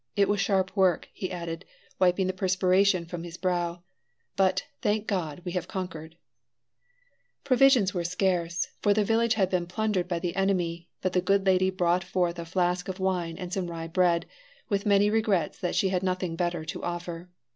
It was sharp work," he added, wiping the perspiration from his brow, "but, thank God, we have conquered," Provisions were scarce, for the village had been plundered by the enemy, but the good lady brought forth a flask of wine and some rye bread, with many regrets that she had nothing better to offer.